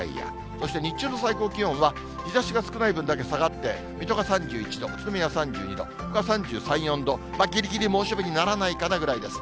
そして日中の最高気温は、日ざしが少ない分だけ下がって、水戸が３１度、宇都宮３２度、ほか３３、４度、ぎりぎり猛暑日にならないかなぐらいです。